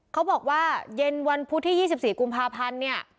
เขาบอกว่าเย็นวันพุธที่๒๔กุมภาพันธ์เนี่ย